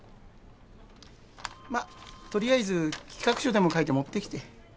まっ取りあえず企画書でも書いて持ってきて。